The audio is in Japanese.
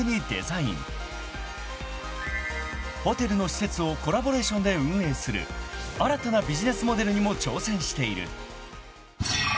［ホテルの施設をコラボレーションで運営する新たなビジネスモデルにも挑戦している］